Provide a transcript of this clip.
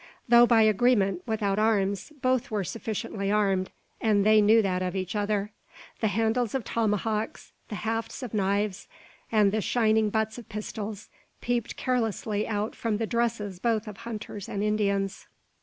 Though by agreement without arms, both were sufficiently armed, and they knew that of each other. The handles of tomahawks, the hafts of knives, and the shining butts of pistols, peeped carelessly out from the dresses both of hunters and Indians.